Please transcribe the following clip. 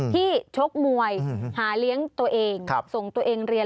ชกมวยหาเลี้ยงตัวเองส่งตัวเองเรียน